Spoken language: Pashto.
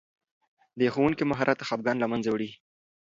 د ښوونکي مهارت خفګان له منځه وړي.